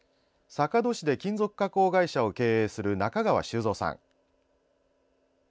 坂戸市で金属加工会社を経営する中川周三さん。